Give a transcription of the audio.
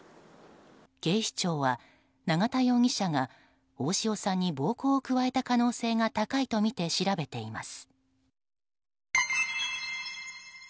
警視庁は永田容疑者が大塩さんに暴行を加えた可能性が高いとみて調べています。